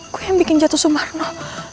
kok yang bikin jatuh sumarno